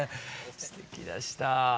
すてきでした。